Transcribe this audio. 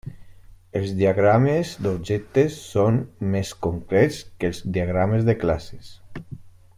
Els diagrames d'objectes són més concrets que els diagrames de classes.